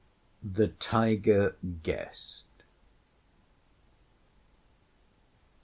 XLV. THE TIGER GUEST.